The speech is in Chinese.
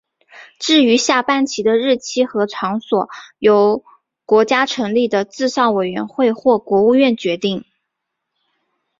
至于下半旗的日期和场所则由国家成立的治丧委员会或国务院决定。